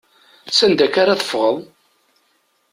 S anda akka ara teffɣeḍ?